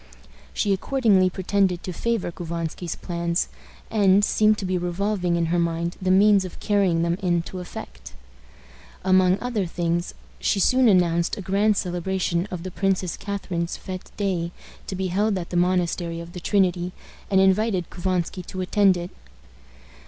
She accordingly pretended to favor Couvansky's plans, and seemed to be revolving in her mind the means of carrying them into effect. Among other things, she soon announced a grand celebration of the Princess Catharine's fête day, to be held at the Monastery of the Trinity, and invited Couvansky to attend it.